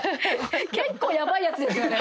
結構やばいやつですよね。